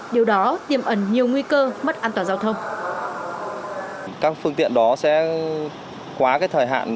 điều đó tiêm ẩn nhiều nguy cơ mất an toàn giao thông